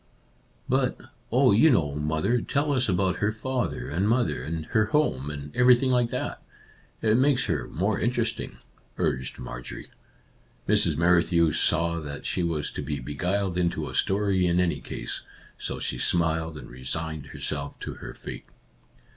"But — oh, you know, mother — tell us about her father and mother, and her home, and everything like that. It makes her more interesting," urged Marjorie. Mrs. Merrithew saw that she was to be beguiled into a story in any case, so she smiled and resigned herself to her fate.